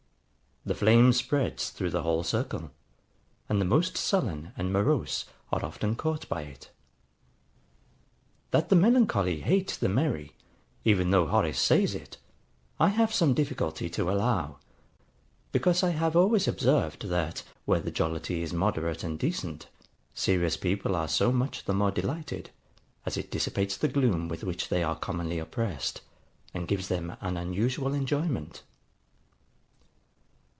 The flame spreads through the whole circle; and the most sullen and morose are often caught by it. That the melancholy hate the merry, even though Horace says it, I have some difficulty to allow; because I have always observed that, where the jollity is moderate and decent, serious people are so much the more delighted, as it dissipates the gloom with which they are commonly oppressed, and gives them an unusual enjoyment.